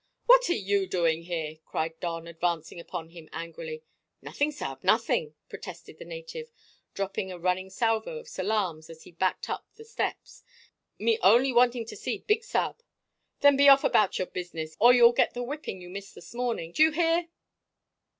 "What are you doing here?" cried Don, advancing upon him angrily. "Nothing, sab, nothing!" protested the native, dropping a running salvo of salaams as he backed up the steps. "Me only wanting to see big sa'b." "Then be off about your business, or you'll get the whipping you missed this morning. Do you hear?"